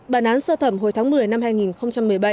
bản án sơ thẩm hồi tháng một mươi năm hai nghìn một mươi bảy